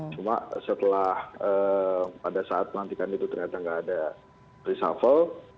cuma setelah pada saat pelantikan itu ternyata nggak ada reshuffle